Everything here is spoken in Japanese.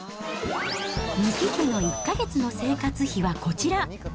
三木家の１か月の生活費はこちら。